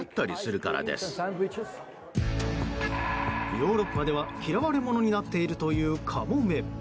ヨーロッパでは嫌われ者になっているというカモメ。